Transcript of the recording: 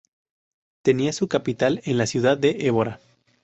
Tenía su capital en la ciudad de Évora.